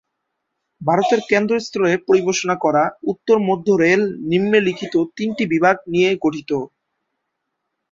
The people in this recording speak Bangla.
ভারতের কেন্দ্রস্থলে পরিবেশন করা, উত্তর মধ্য রেল নিম্নলিখিত তিনটি বিভাগ নিয়ে গঠিত।